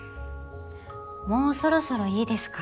もうそろそろいいですか？